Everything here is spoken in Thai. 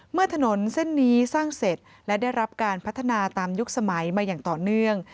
ถนนเส้นนี้สร้างเสร็จและได้รับการพัฒนาตามยุคสมัยมาอย่างต่อเนื่อง